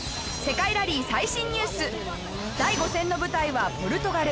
第５戦の舞台はポルトガル。